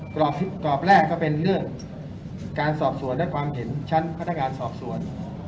กรอบแรกก็เป็นเรื่องการสอบสวนและความเห็นชั้นพนักงานสอบสวน